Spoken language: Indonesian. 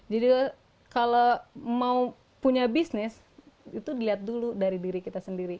jadi kalau mau punya bisnis itu dilihat dulu dari diri kita sendiri